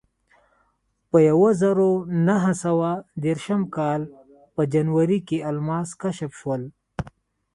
په یوه زرو نهه سوه دېرشم کال په جنورۍ کې الماس کشف شول.